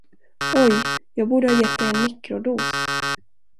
Oj, jag borde ha gett dig en mikrodos.